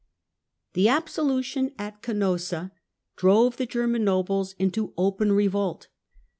The absolution at Canossa drove the German nobles Meeting of into Open rcvolt.